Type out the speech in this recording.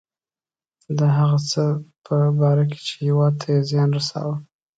د هغه څه په باره کې چې هیواد ته یې زیان رساوه.